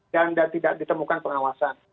dan tidak ditemukan pengawasan